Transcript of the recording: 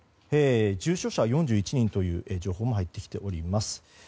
重症者は４１人という情報も入ってきております。